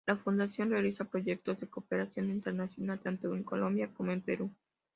La fundación realiza proyectos de Cooperación Internacional tanto en Colombia como en Perú.